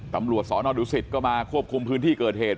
ตำรวจสนดุสิตก็มาควบคุมพื้นที่เกิดเหตุ